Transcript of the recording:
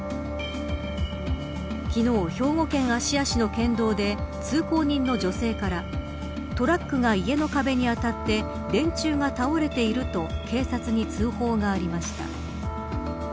昨日、兵庫県芦屋市の県道で通行人の女性からトラックが家の壁に当たって電柱が倒れていると警察に通報がありました。